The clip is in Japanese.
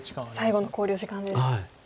最後の考慮時間です。